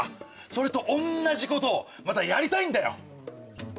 それと同じことをまたやりたいんだよ！